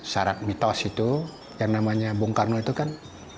syarat mitos itu yang namanya bung karno itu kan